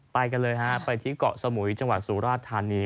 ไปกันเลยฮะไปที่เกาะสมุยจังหวัดสุราชธานี